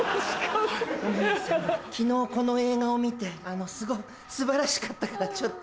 昨日この映画を見て素晴らしかったからちょっと。